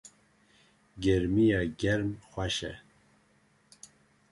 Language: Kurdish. gêrmiya germ xweş e